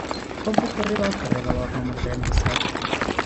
Com puc arribar al carrer de l'Or número trenta-set?